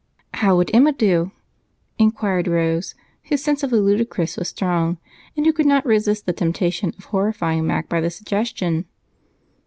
"How would Emma do?" inquired Rose, whose sense of the ludicrous was strong and who could not resist the temptation of horrifying Mac by the suggestion.